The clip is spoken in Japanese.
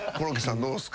どうっすか？